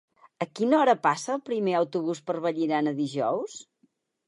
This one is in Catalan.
A quina hora passa el primer autobús per Vallirana dijous?